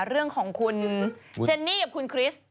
เรื่องของคุณเจนนี่กับคุณคริสต์